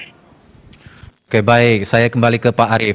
oke baik saya kembali ke pak arief